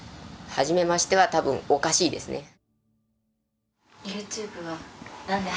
はじめましては多分おかしいですね。